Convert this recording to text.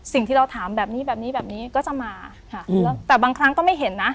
สิ่งที่เราถามแบบนี้แบบนี้แบบนี้แบบนี้ก็จะมาค่ะแล้วแต่บางครั้งก็ไม่เห็นนะ